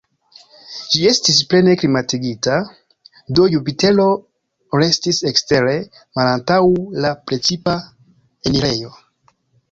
Ĝi estis plene klimatigita, do Jupitero restis ekstere malantaŭ la precipa enirejo.